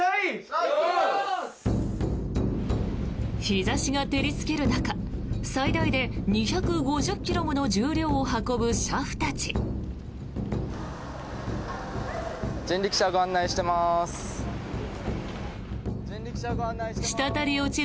日差しが照りつける中最大で２５０ｋｇもの重量を運ぶ俥夫たち。